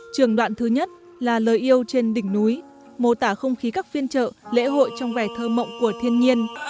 trường đoạn thứ nhất là lời yêu trên đỉnh núi mô tả không khí các phiên trợ lễ hội trong vẻ thơ mộng của thiên nhiên